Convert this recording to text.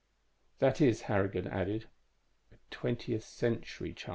"That is," Harrigan added, "a twentieth century child...."